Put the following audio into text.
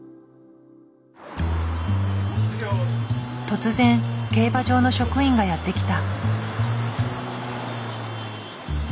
突然競馬場の職員がやって来た。